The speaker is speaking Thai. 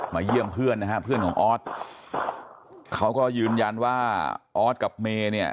เยี่ยมเพื่อนนะฮะเพื่อนของออสเขาก็ยืนยันว่าออสกับเมย์เนี่ย